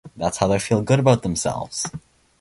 That's how they feel good about themselves.